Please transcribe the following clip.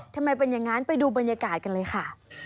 ทำไมเป็นอย่างนั้นไปดูบรรยากาศกันเลยค่ะ